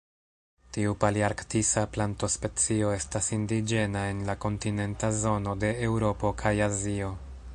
Tiu palearktisa plantospecio estas indiĝena en la kontinenta zono de Eŭropo kaj Azio.